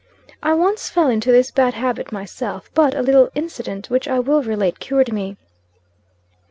"I once fell into this bad habit myself; but, a little incident, which I will relate, cured me.